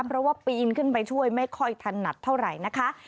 เพราะว่าปีนขึ้นไปช่วยไม่ค่อยถนัดเท่าไหร่นะคะ